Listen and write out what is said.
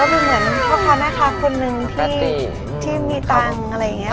ก็เป็นเหมือนเท่าค่าคนนึงที่มีตังค์อะไรอย่างนี้ค่ะ